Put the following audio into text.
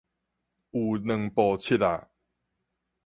有兩步七仔